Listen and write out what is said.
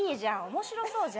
面白そうじゃん。